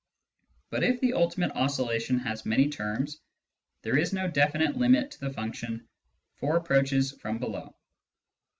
But if the ultimate oscillation has many terms, there is no definite limit to the function for approaches from below.